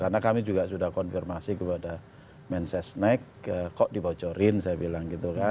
karena kami juga sudah konfirmasi kepada mensesnek kok dibocorin saya bilang gitu kan